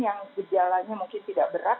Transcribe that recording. yang gejalanya mungkin tidak berat